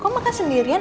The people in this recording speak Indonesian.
kok makan sendirian